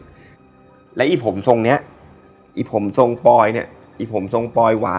อยู่สิบและอีผมส่งเนี้ยอีผมส่งปลอยเนี้ยอีผมส่งปลอยหวาน